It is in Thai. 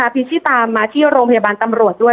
พิชชี่ตามมาที่โรงพยาบาลตำรวจด้วย